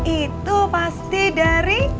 itu pasti dari